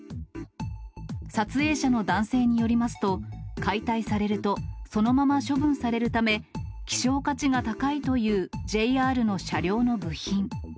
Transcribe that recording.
撮影者の男性によりますと、解体されると、そのまま処分されるため、希少価値が高いというＪＲの車両の部品。